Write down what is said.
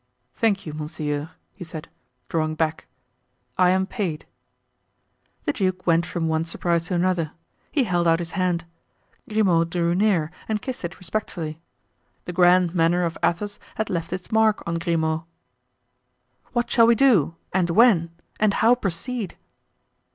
"Thank you, monseigneur," he said, drawing back; "I am paid." The duke went from one surprise to another. He held out his hand. Grimaud drew near and kissed it respectfully. The grand manner of Athos had left its mark on Grimaud. "What shall we do? and when? and how proceed?"